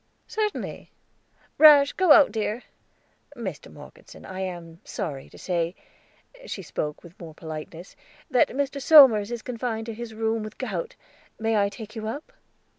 "Certainly. Rash, go out, dear. Mr. Morgeson, I am sorry to say," she spoke with more politeness, "that Mr. Somers is confined to his room with gout. May I take you up?"